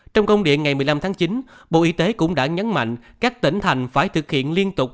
trong công điện ngày một mươi năm tháng chín bộ y tế cũng đã nhấn mạnh các tỉnh thành phải thực hiện liên tục